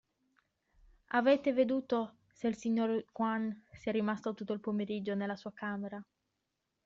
Avete veduto se il signor Juan sia rimasto tutto il pomeriggio nella sua camera?